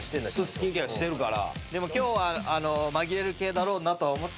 スキンケアしてるから。